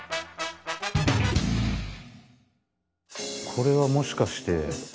これはもしかして。